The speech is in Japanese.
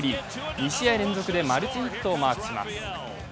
２試合連続でマルチヒットをマークします。